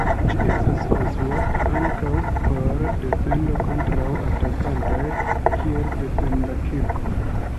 Ĝi estis konstruita ankaŭ por defendo kontraŭ atakantoj, kiel defend-kirko.